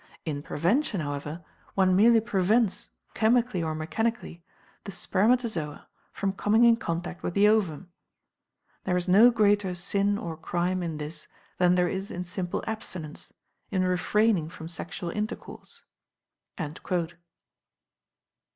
In prevention, however, one merely prevents chemically or mechanically the spermatozoa from coming in contact with the ovum. There is no greater sin or crime in this than there is in simple abstinence, in refraining from sexual intercourse."